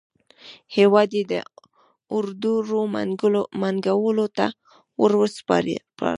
هېواد یې د اړدوړ منګولو ته وروسپاره.